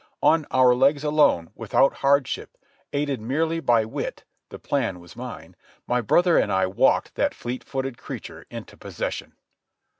On our legs alone, without hardship, aided merely by wit—the plan was mine—my brother and I walked that fleet footed creature into possession.